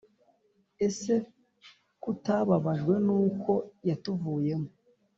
ese k’utababajwe n` uko yatuvuyemo.